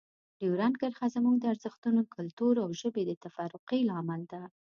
ډیورنډ کرښه زموږ د ارزښتونو، کلتور او ژبې د تفرقې لامل ده.